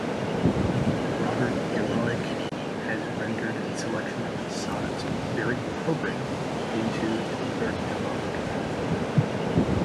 Robert Garioch has rendered a selection of his sonnets, very appropriately, into Edinburgh demotic.